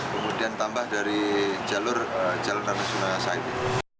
kemudian tambah dari jalur jalur nasional side